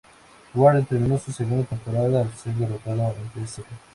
Warren terminó su segunda temporada al ser derrotado ante St.